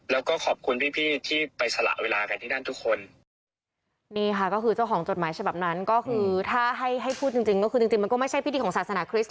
แล้วก็ขอบคุณพี่พี่ที่ไปสละเวลากันที่นั่นทุกคนนี่ค่ะก็คือเจ้าของจดหมายฉบับนั้นก็คือถ้าให้พูดจริงก็คือจริงมันก็ไม่ใช่พิธีของศาสนาคริสต